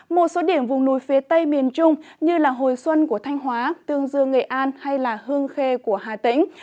một số điểm vùng núi phía tây miền trung như hồi xuân của thanh hóa tương dương nghệ an hay hương khê của hà tĩnh